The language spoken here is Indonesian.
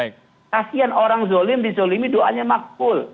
kasian orang zolim dizolimi doanya makbul